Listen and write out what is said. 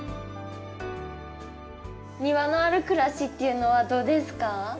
庭のある暮らしっていうのはどうですか？